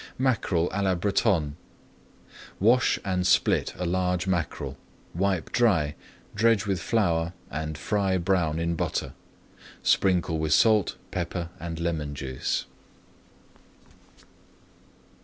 MACKEREL À LA BRETONNE Wash and split a large mackerel, wipe dry, dredge with flour, and fry brown in butter. Sprinkle with salt, pepper, and lemon juice.